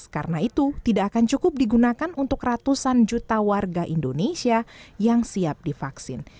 karena itu tidak akan cukup digunakan untuk ratusan juta warga indonesia yang siap divaksin